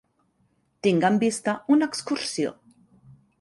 Tinc en vista una excursió.